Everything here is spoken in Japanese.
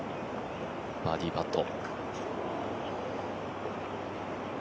バーディーパット。